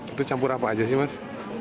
itu campur apa aja sih mas